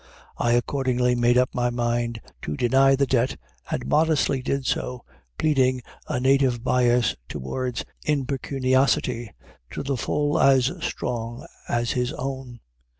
I accordingly made up my mind to deny the debt, and modestly did so, pleading a native bias towards impecuniosity to the full as strong as his own.